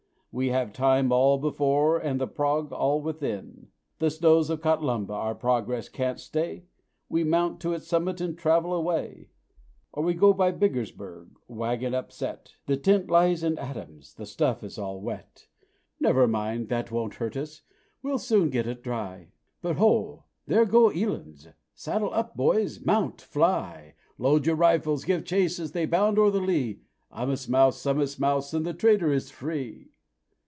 We have time all before, and the 'prog' all within The snows of Kathlamba our progress can't stay; We mount to its summit, and travel away, Or go we by Biggarsberg wagon upset, The tent lies in atoms, the stuff is all wet Never mind, that won't hurt us we'll soon get it dry. But ho! there go Elands saddle up, boys! mount! fly! Load your rifles, give chase as they bound o'er the lea I'm a Smouse, I'm a Smouse, and the trader is free!